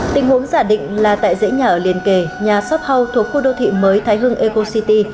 tình huống giả định là tại dãy nhà ở liền kề nhà shop house thuộc khu đô thị mới thái hưng eco city